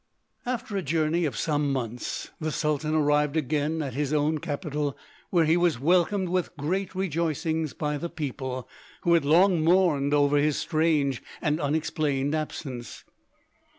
After a journey of some months the Sultan arrived again at his own capital, where he was welcomed with great rejoicings by the people, who had long mourned over his strange and unexplained absence.